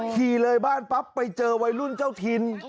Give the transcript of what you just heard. ขี่เลยบ้านปั๊บไปเจอวัยรุ่นเจ้าถิ่น